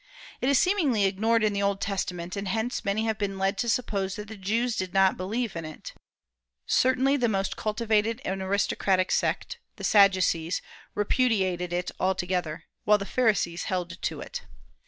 It is seemingly ignored in the Old Testament, and hence many have been led to suppose that the Jews did not believe in it. Certainly the most cultivated and aristocratic sect the Sadducees repudiated it altogether; while the Pharisees held to it.